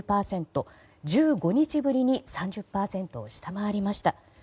１５日ぶりに３０％を下回りました。